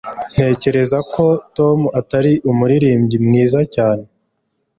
Ntekereza ko Tom atari umuririmbyi mwiza cyane